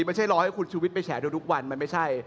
ไม่ใช่รอให้คุณชุวิตไปแฉดูทุกวันมันไม่ใช่